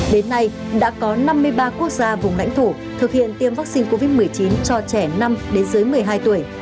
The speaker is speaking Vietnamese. đến nay đã có năm mươi ba quốc gia vùng lãnh thổ thực hiện tiêm vaccine covid một mươi chín cho trẻ năm đến dưới một mươi hai tuổi